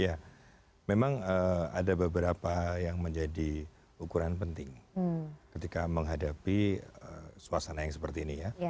ya memang ada beberapa yang menjadi ukuran penting ketika menghadapi suasana yang seperti ini ya